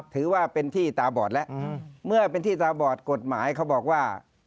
ถือว่าเป็นที่ตาบอดแล้วเมื่อเป็นที่ตาบอดกฎหมายเขาบอกว่า